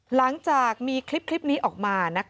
หลังจากมีคลิปนี้ออกมา